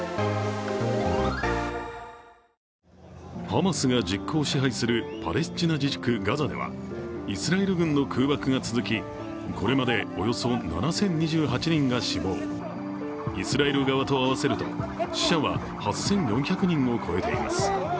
ハマスが実効支配するパレスチナ自治区ガザではイスラエル軍の空爆が続きこれまでおよそ７０２８人が死亡、イスラエル側と合わせると死者は８４００人を超えています。